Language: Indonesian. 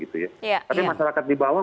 tapi masyarakat di bawah